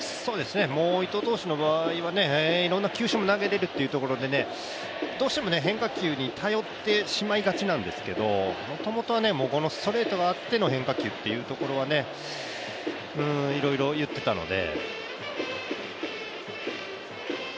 伊藤投手の場合はいろんな球種も投げれるということでどうしても変化球に頼ってしまいがちなんですけどもともとこのストレートがあっての変化球っていうところはねいろいろいっていたので。